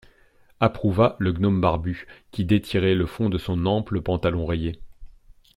Approuva le gnome barbu, qui détirait le fond de son ample pantalon rayé.